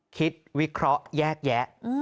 วิเคราะห์แยกแยะ